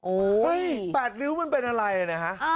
เฮ้ย๘ริ้วมันเป็นอะไรนะฮะ